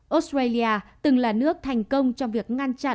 australia từng là nước thành công cho các bệnh nhân nhiễm omicron